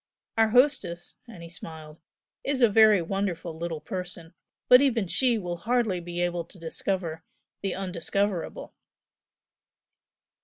Our hostess," and he smiled "is a very wonderful little person, but even she will hardly be able to discover the undiscoverable!"